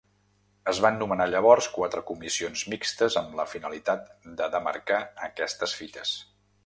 Es van nomenar llavors quatre comissions mixtes amb la finalitat de demarcar aquestes fites.